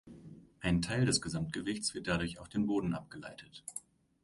Ein Teil des Gesamtgewichts wird dadurch auf den Boden abgeleitet.